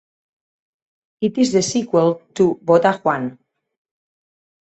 It is the sequel to "Vota Juan".